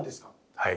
はい。